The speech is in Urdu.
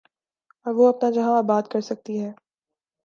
اور وہ اپنا جہاں آباد کر سکتی ہے۔